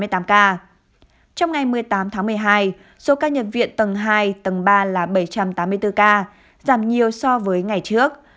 trong ngày một mươi tám tháng một mươi hai số ca nhập viện tầng hai tầng ba là bảy trăm tám mươi bốn ca giảm nhiều so với ngày trước